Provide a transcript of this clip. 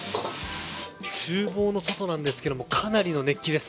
厨房の外なんですけどかなりの熱気です。